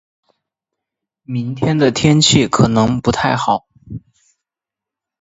明天的天气可能不太好。